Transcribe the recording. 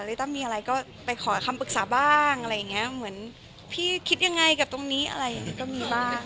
ตั้มมีอะไรก็ไปขอคำปรึกษาบ้างอะไรอย่างเงี้ยเหมือนพี่คิดยังไงกับตรงนี้อะไรอย่างนี้ก็มีบ้าง